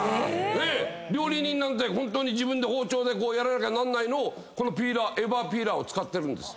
料理人なんてホントに自分で包丁でやらなきゃなんないのをこのエバーピーラーを使ってるんです。